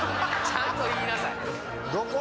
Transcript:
ちゃんと言いなさいどこ？